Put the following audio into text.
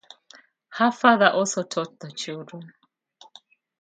Her father also taught the children.